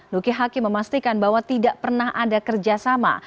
luki hakim memastikan bahwa tidak pernah ada kerjasama